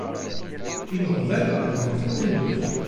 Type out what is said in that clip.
Imeɣban ad weṛten tamurt.